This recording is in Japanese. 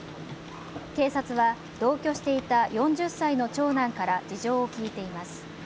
警察は同居していた４０歳の長男から事情を聴いています。